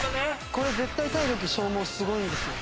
これ絶対体力消耗すごいんですよ。